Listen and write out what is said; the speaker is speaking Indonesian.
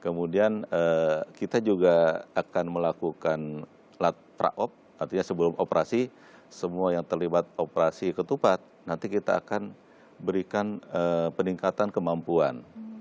kemudian kita juga akan melakukan praop artinya sebelum operasi semua yang terlibat operasi ketupat nanti kita akan berikan peningkatan kemampuan